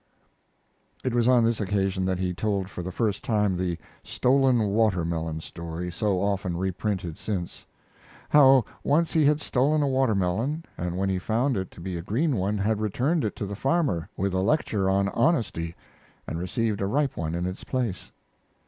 It was on this occasion that he told for the first time the "stolen watermelon" story, so often reprinted since; how once he had stolen a watermelon, and when he found it to be a green one, had returned it to the farmer, with a lecture on honesty, and received a ripe one in its place.